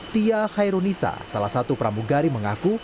tia khairunisa salah satu pramugari mengaku